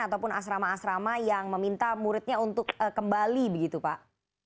ataupun asrama asrama yang meminta muridnya untuk kembali begitu pak